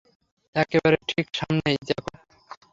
এক্কেবারে ঠিক সামনেই, জ্যাকব।